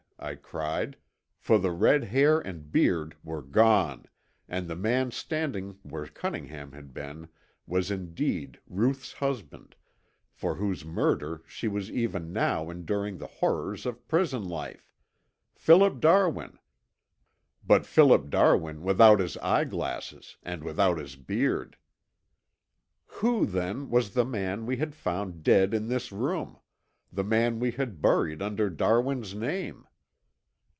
I cried, for the red hair and beard were gone and the man standing where Cunningham had been was indeed Ruth's husband, for whose murder she was even now enduring the horrors of prison life, Philip Darwin, but Philip Darwin without his eyeglasses and without his beard! Who, then, was the man we had found dead in this room, the man we had buried under Darwin's name?